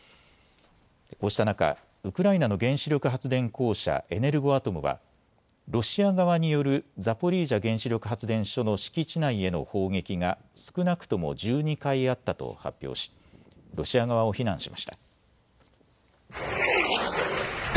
こうした中、ウクライナの原子力発電公社、エネルゴアトムはロシア側によるザポリージャ原子力発電所の敷地内への砲撃が少なくとも１２回あったと発表しロシア側を非難しました。